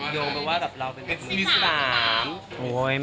โยงไปว่าแบบเราเป็นแบบมิสสาหรรม